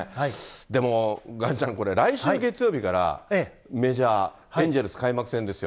でも、岩ちゃん、これ、来週の月曜日から、メジャー、エンゼルス開幕戦ですよ。